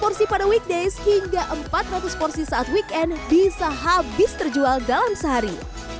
porsi pada weekdays hingga empat ratus porsi saat weekend bisa habis terjual dalam sehari